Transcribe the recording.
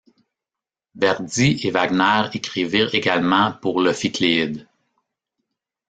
Verdi et Wagner écrivirent également pour l'ophicléide.